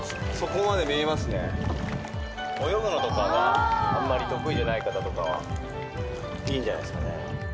泳ぐのとかがあんまり得意じゃない方とかはいいんじゃないですかね。